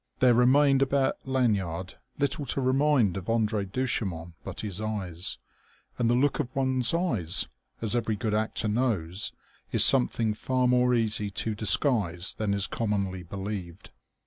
There remained about Lanyard little to remind of André Duchemin but his eyes; and the look of one's eyes, as every good actor knows, is something far more easy to disguise than is commonly believed.